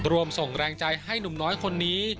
รวมส่งแรงใจให้หนุ่มน้อยคนนี้